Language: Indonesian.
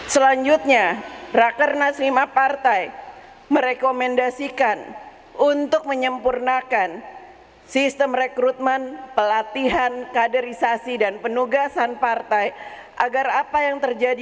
selanjutnya rakernas lima partai merekomendasikan untuk menyempurnakan sistem rekrutmen pelatihan kaderisasi dan penyimpangan